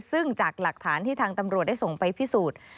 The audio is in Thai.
ซึ่งจากหลักฐานที่ทางตำรวจได้ส่งไปพิสูจน์